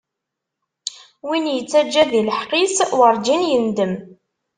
Win ittaǧǧan di leḥqq-is, werǧin indem.